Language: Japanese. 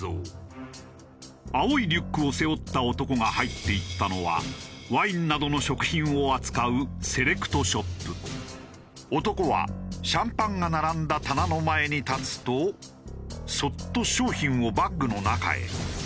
青いリュックを背負った男が入っていったのはワインなどの食品を扱う男はシャンパンが並んだ棚の前に立つとそっと商品をバッグの中へ。